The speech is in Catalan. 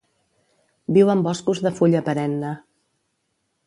Viu en boscos de fulla perenne.